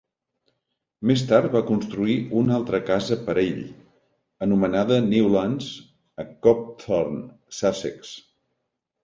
Més tard va construir una altra casa per a ell, anomenada "Newlands", a Copthorne, Sussex.